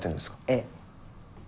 ええ。